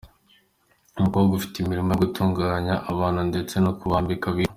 Umukobwa ufite imirimo yo gutunganya abantu ndetse no kubambika witwa.